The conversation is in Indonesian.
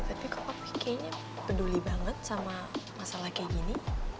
tapi kok aku kayaknya peduli banget sama masalah kayak gini